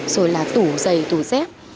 rồi là tủ giày tủ dép